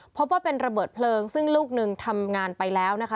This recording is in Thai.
พบว่าเป็นระเบิดเพลิงซึ่งลูกหนึ่งทำงานไปแล้วนะคะ